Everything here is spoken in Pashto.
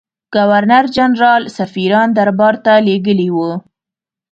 ګورنرجنرال سفیران دربارته لېږلي وه.